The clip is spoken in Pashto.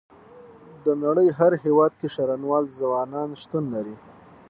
د نړۍ هر هيواد کې شرنوال ځوانان شتون لري.